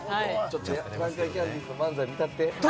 南海キャンディーズの漫才見たって。